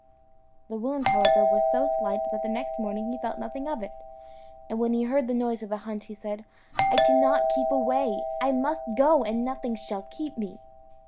The wound, however, was so slight that the next morning he felt nothing of it, and when he heard the noise of the hunt, he said, "I cannot keep away; I must go, and nothing shall keep me."